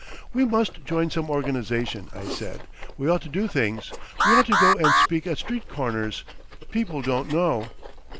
"We must join some organisation," I said. "We ought to do things.... We ought to go and speak at street corners. People don't know."